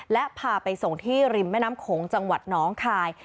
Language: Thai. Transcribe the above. และพาไปส่งที่ริมแม่น้ำโขงจังหวัดน้องคาย